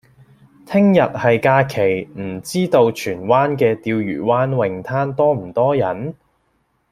聽日係假期，唔知道荃灣嘅釣魚灣泳灘多唔多人？